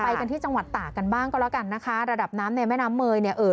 ไปกันที่จังหวัดตากกันบ้างก็แล้วกันนะคะระดับน้ำในแม่น้ำเมยเนี่ยเอ่อ